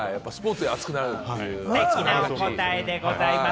ステキなお答えでございます。